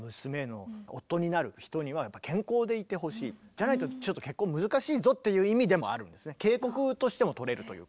じゃないとちょっと結婚難しいぞっていう意味でもあるんですね。警告としても取れるというか。